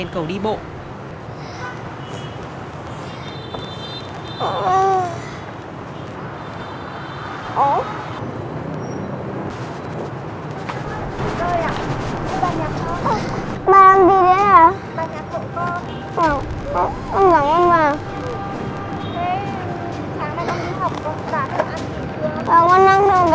cô hoàng ạ